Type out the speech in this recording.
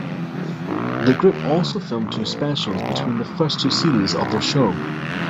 The group also filmed two specials between the first two series of their show.